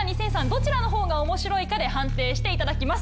どちらの方が面白いかで判定していただきます。